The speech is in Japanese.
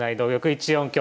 １四香。